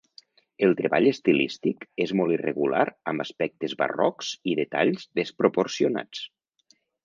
El treball estilístic és molt irregular amb aspectes barrocs i detalls desproporcionats.